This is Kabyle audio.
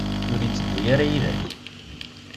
Ur yetteddu ara yid-k?